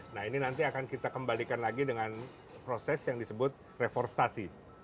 nah ini nanti akan kita kembalikan lagi dengan proses yang disebut reforestasi